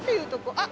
あっ！